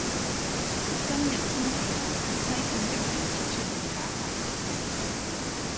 今日天氣好，西貢游泳池出面打晒蛇餅。